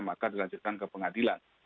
maka dilanjutkan ke pengadilan